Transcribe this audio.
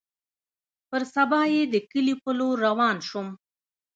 پر سبا يې د کلي په لور روان سوم.